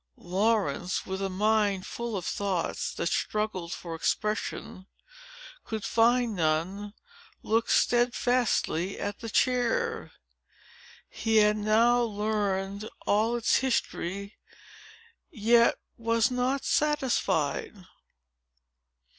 Laurence, with a mind full of thoughts, that struggled for expression, but could find none, looked steadfastly at the chair. He had now learned all its history, yet was not satisfied.